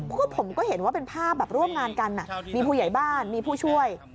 ก็ผมก็เห็นว่าเป็นภาพแบบร่วมงานกันมีผู้ใหญ่บ้านมีผู้ช่วย